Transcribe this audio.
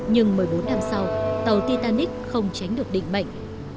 nhưng một mươi bốn năm sau tàu titanic không tránh được định mệnh